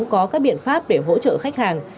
có các biện pháp để hỗ trợ khách hàng